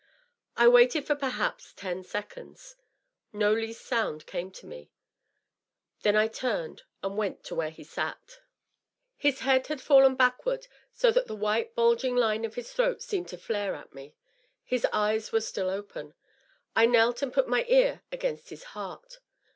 I waited for perhaps ten seconds. No least sound came to me. Then I turned and went to where he sat. His head had fallen back ward so that the white bulging line of his throat seemed tg flare at me. His eyes were still open. I knelt and put my ear against his heart.